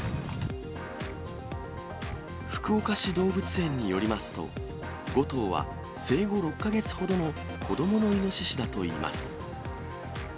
福岡市動物園によりますと、５頭は生後６か月ほどの子どものイノシシだといいます。